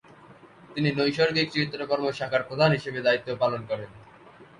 তিনি নৈসর্গিক চিত্রকর্ম শাখার প্রধান হিসেবে দায়িত্ব পালন করেন।